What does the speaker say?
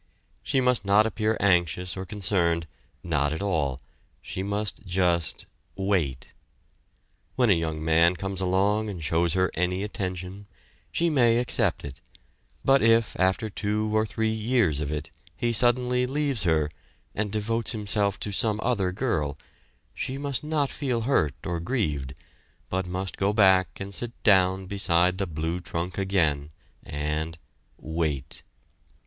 She must not appear anxious or concerned not at all; she must just wait. When a young man comes along and shows her any attention, she may accept it, but if after two or three years of it he suddenly leaves her, and devotes himself to some other girl, she must not feel hurt or grieved but must go back and sit down beside the blue trunk again and wait!